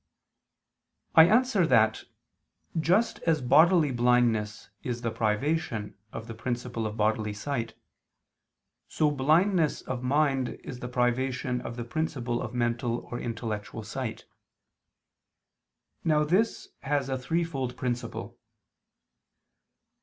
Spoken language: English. I answer that, Just as bodily blindness is the privation of the principle of bodily sight, so blindness of mind is the privation of the principle of mental or intellectual sight. Now this has a threefold principle.